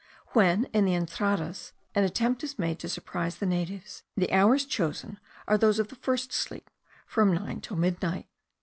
When, in the entradas, an attempt is made to surprise the natives, the hours chosen are those of the first sleep, from nine till midnight.